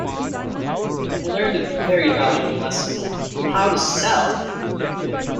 I learned a very valuable lesson: how to sell.